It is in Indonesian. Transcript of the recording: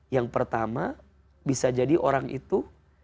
yang pertama bisa jadi orang itu